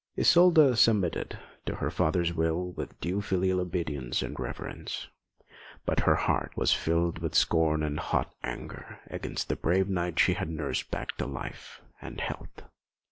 Isolda submitted to her father's will with due filial obedience and reverence; but her heart was filled with scorn and hot anger against the brave knight she had nursed back to life and health.